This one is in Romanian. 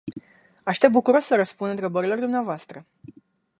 Aștept bucuros să răspund întrebărilor dvs.